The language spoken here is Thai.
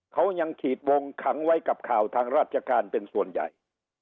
เขายังขีดวงขังไว้กับข่าวทางราชการเป็นส่วนใหญ่